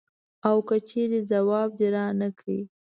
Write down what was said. او که چېرې ځواب دې رانه کړ.